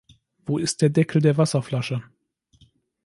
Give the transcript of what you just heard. Wo ist der Deckel der Wasserflasche?